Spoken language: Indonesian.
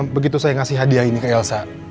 begitu saya ngasih hadiah ini ke elsa